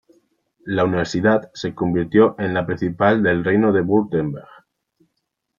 La Universidad se convirtió en la principal del reino de Wurtemberg.